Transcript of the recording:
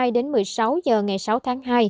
tính từ một mươi sáu h ngày sáu tháng hai